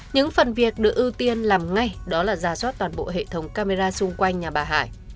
những phần việc được ưu tiên làm ngay đó là giả soát toàn bộ hệ thống camera xung quanh nhà bà hải